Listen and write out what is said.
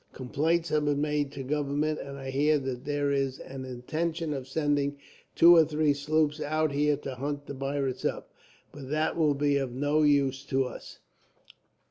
Complaints have been made to government, and I hear that there is an intention of sending two or three sloops out here to hunt the pirates up. But that will be of no use to us."